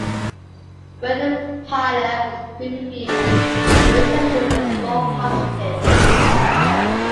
When the pilot was previewed, the reception was more positive.